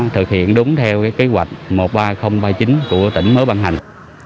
thực hiện đúng theo kế hoạch một mươi ba nghìn ba mươi chín của tỉnh mới ban hành